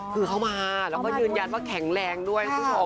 คือเขามาแล้วก็คือยืนยันว่าแข็งแรงด้วย